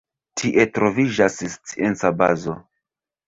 Tie troviĝas scienca bazo.